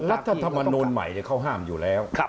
แล้วถ้าทำมาประมาณหนึ่งของใหม่เขาห้ามอยู่แล้ว